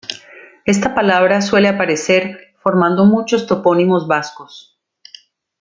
Esta palabra suele aparecer formando muchos topónimos vascos.